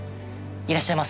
いらっしゃいませ。